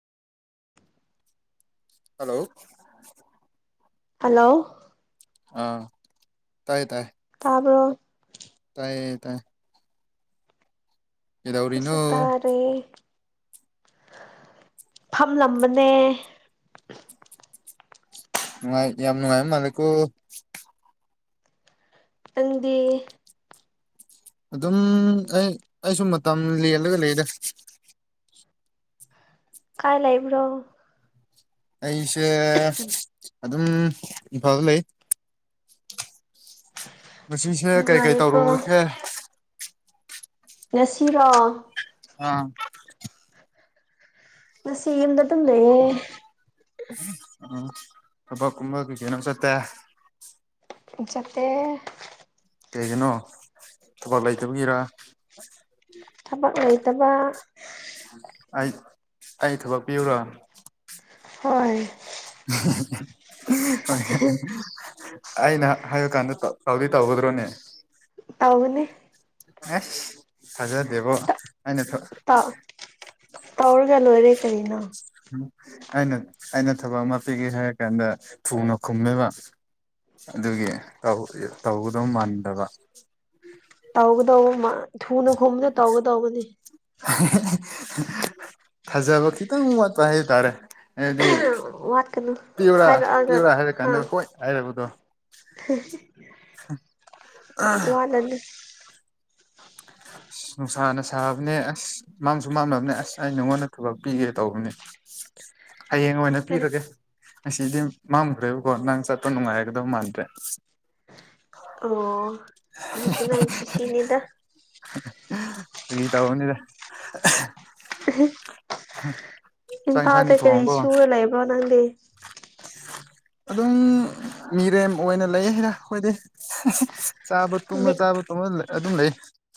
Hello hello ꯑ ꯇꯥꯏꯌꯦ ꯇꯥꯏꯌꯦ ꯇꯥꯕ꯭ꯔꯣ ꯇꯥꯏꯌꯦ ꯀꯩꯗꯧꯔꯤꯅꯣ ꯑꯩꯁꯨ ꯇꯥꯔꯦ ꯐꯝꯂꯝꯕꯅꯦ ꯅꯨꯡꯉꯥꯏ ꯌꯥꯝ ꯅꯨꯡꯉꯥꯏꯕ ꯃꯥꯜꯂꯦꯀꯣ ꯅꯪꯗꯤ ꯑꯗꯨꯝ ꯑꯩ ꯑꯩꯁꯨ ꯃꯇꯝ ꯂꯦꯜꯂꯒ ꯂꯩꯌꯦꯗ ꯀꯥꯏ ꯂꯩꯕ꯭ꯔꯣ ꯑꯩꯁꯦ ꯑꯗꯨꯝ ꯏꯝꯐꯥꯜꯗ ꯂꯩ ꯉꯁꯤꯁꯦ ꯀꯩ ꯀꯩ ꯅꯨꯡꯉꯥꯏꯔꯦꯀꯣ ꯇꯧꯔꯨꯔꯒꯦ ꯉꯥꯁꯤꯔꯣ ꯑꯥ ꯉꯥꯁꯤ ꯌꯨꯝꯗ ꯗꯨꯝ ꯂꯩꯌꯦ꯫ ꯎꯝ ꯊꯕꯛ ꯑꯃ ꯀꯩ ꯀꯩꯅꯣ ꯆꯠꯇꯦ꯫ ꯆꯠꯇꯦ꯫ ꯀꯩꯒꯤꯅꯣ ꯊꯕꯛ ꯂꯩꯇꯕꯒꯤꯔꯥ꯫ ꯊꯕꯛ ꯂꯩꯇꯕꯥ꯫ ꯑꯩ ꯑꯩ ꯊꯕꯛ ꯄꯤꯌꯨꯔꯣ꯫ ꯍꯣꯏ꯫ ꯍꫭꯏ ꯑꯩꯅ ꯍꯥꯏꯕ ꯀꯥꯟꯗ ꯇ ꯇꯧꯗꯤ ꯇꯧꯒꯗ꯭ꯔꯣꯅꯦ꯫ ꯇꯧꯒꯅꯤ꯫ ꯑꯦꯁ ꯊꯖꯗꯦꯕꯣ ꯑꯩꯅ ꯊ ꯀꯩꯅꫭ꯫ ꯑꯩꯅ ꯑꯩꯅ ꯊꯕꯛ ꯑꯃ ꯄꯤꯒꯦ ꯍꯥꯏꯔ ꯀꯥꯟꯗ ꯊꯨꯅ ꯈꯨꯝꯃꯦꯕ꯫ ꯑꯗꯨꯒꯤ ꯇꯧꯒꯗꯧ ꯃꯥꯟꯗꯕ꯫ ꯇꯧꯒꯗꯧꯕ ꯃꯥ ꯊꯨꯅ ꯈꯨꯕꯗꫭ ꯇꯧꯒꯗꯧꯒꯅꯤ꯫ ꯊꯥꯖꯕ ꯈꯤꯇꯪ ꯋꯥꯠꯄ ꯍꯥꯏꯇꯥꯔꯦ ꯍꯥꯏꯗꯤ ꯋꯥꯠꯀꯅꯨ ꯄꯤꯌꯣꯔꯥ ꯍꯥꯏꯔꯛꯑꯒ ꯄꯤꯌꯣꯔꯥ ꯍꯥꯏꯔ ꯀꯥꯟꯗ ꯍꯣꯏ ꯍꯥꯏꯔꯛꯄꯗꯣ꯫ ꯋꯥ ꯅꯅꯤ꯫ ꯅꯨꯡꯁꯥꯅ ꯁꯥꯕꯅꯦ ꯑ ꯑꯁ ꯃꯥꯡꯁꯨ ꯃꯥꯟꯅꯕꯅꯦ ꯑꯁ ꯑꯩ ꯅꯉꯣꯟꯗ ꯊꯕꯛ ꯄꯤꯒꯦ ꯇꯧꯕꯅꯦ꯫ ꯍꯌꯦꯡ ꯑꯣꯏꯅ ꯀꯔꯤ ꯄꯤꯔꯒꯦ꯫ ꯉꯁꯤꯗꯤ ꯃꯝꯈ꯭ꯔꯦꯕꯀꯣ ꯅꯪ ꯆꯠꯄ ꯅꯨꯡꯉꯥꯏꯒꯗꯕ ꯃꯥꯟꯗ꯭ꯔꯦ꯫ ꯑꯣ ꯑꯗꯨꯁꯨ ꯅꯪ ꯈꯨꯁꯤꯅꯦꯗ꯫ ꯐꯒꯤ ꯇꯧꯕꯅꯤꯗ꯫ ꯆꯥꯛ ꯏꯝꯐꯥꯜꯗ ꯏꯟꯁꯥꯡꯗꯤ ꯀꯔꯤ ꯊꯣꯡꯉꯕꯣ ꯁꯨꯔ ꯂꯩꯕ꯭ꯔꯣ ꯅꯪꯗꯤ꯫ ꯑꯗꯨꯝ ꯃꯤꯔꯦꯝ ꯑꯣꯏꯅ ꯂꯩ ꯍꯥꯏꯔ ꯑꯩꯈꯣꯏꯗꯤ꯫ ꯆꯥꯕ ꯇꯨꯝꯃ ꯃꯤꯠ ꯆꯥꯕ ꯇꯨꯝꯃ ꯑꯗꯨꯝ ꯂꯩ꯫